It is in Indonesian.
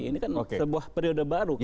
ini kan sebuah periode baru